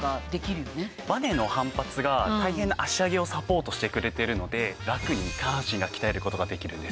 バネの反発が大変な脚上げをサポートしてくれてるのでラクに下半身を鍛える事ができるんです。